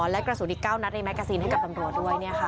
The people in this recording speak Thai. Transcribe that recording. และกระสุนอีก๙นัดในแกซีนให้กับตำรวจด้วย